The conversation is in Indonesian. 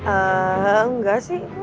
eee enggak sih